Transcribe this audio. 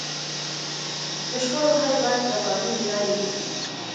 د شخړو حل باید د قانون له لارې وسي.